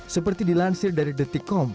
seperti dilansir dari detikkom